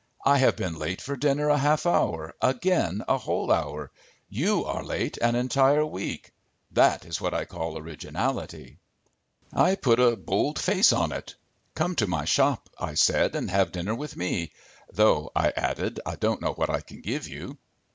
"I have been late for dinner a half hour, again a whole hour; you are late an entire week. That is what I call originality." I put a bold face on it. "Come to my shop," I said, "and have dinner with me. Though," I added, "I don't know what I can give you."